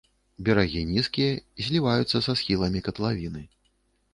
Берагі нізкія і зліваюцца са схіламі катлавіны.